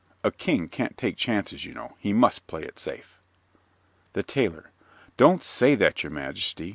A King can't take chances, you know. He must play it safe. THE TAILOR Don't say that, your majesty.